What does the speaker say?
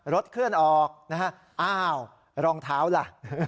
เคลื่อนออกนะฮะอ้าวรองเท้าล่ะ